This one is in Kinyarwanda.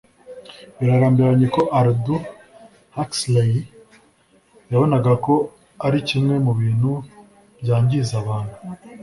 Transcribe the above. Birarambiranye ko Aldous Huxley yabonaga ko ari kimwe mu bintu byangiza abantu